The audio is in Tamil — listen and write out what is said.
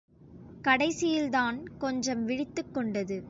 கடைசியில்தான் கொஞ்சம் விழித்துக் கொண்டது.